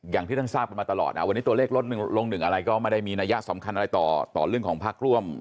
อย่างที่ท่านทราบกันมาตลอดนะวันนี้ตัวเลขลดลงหนึ่งอะไรก็ไม่ได้มีนัยสำคัญอะไรต่อเรื่องของพักร่วม